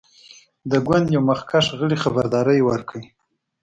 د ګوند یوه مخکښ غړي خبرداری ورکړ.